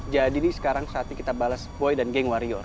jadi ini sekarang saatnya kita bales boy dan geng warrior